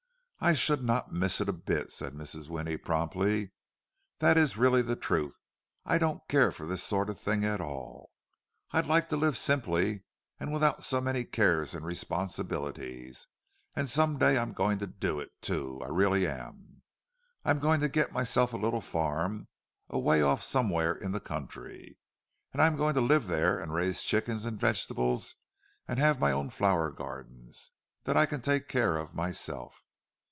"I should not miss it a bit," said Mrs. Winnie, promptly. "That is really the truth—I don't care for this sort of thing at all. I'd like to live simply, and without so many cares and responsibilities. And some day I'm going to do it, too—I really am. I'm going to get myself a little farm, away off somewhere in the country. And I'm going there to live and raise chickens and vegetables, and have my own flower gardens, that I can take care of myself.